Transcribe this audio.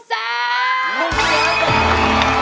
๑แสง